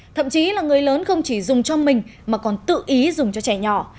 thậm chí là người lớn không chỉ dùng cho mình mà còn tự ý dùng cho trẻ nhỏ